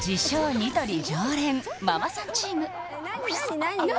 「ニトリ常連」ママさんチーム何何何？